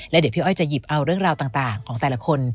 เดี๋ยวพี่อ้อยจะหยิบเอาเรื่องราวต่างของแต่ละคน